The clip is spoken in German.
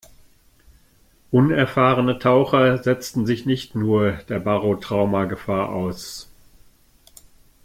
Unerfahrene Taucher setzten sich nicht nur der Barotrauma-Gefahr aus.